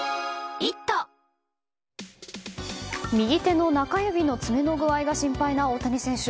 右手の中指の爪の具合が心配な大谷選手。